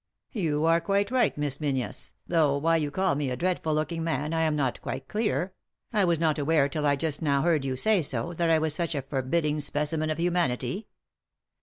" You are quite right, Miss Menzies, though why you call me a dreadful looking man I am not quite clear ; I was not aware till I just now heard you say so that I was such a forbidding specimen of humanity.